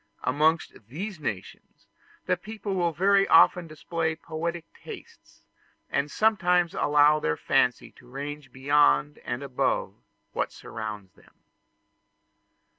Amongst these nations the people will very often display poetic tastes, and sometimes allow their fancy to range beyond and above what surrounds them.